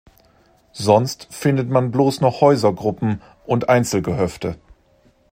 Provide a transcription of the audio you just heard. Sonst findet man bloss noch Häusergruppen und Einzelgehöfte.